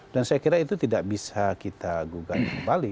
dan saya kira itu tidak bisa kita gugat kembali